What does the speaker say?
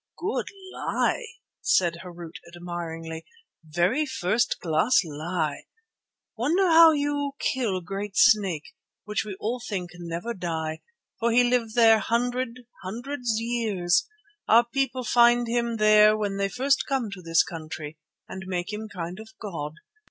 "Good lie," said Harût admiringly, "very first class lie! Wonder how you kill great snake, which we all think never die, for he live there hundred, hundred years; our people find him there when first they come to this country, and make him kind of god.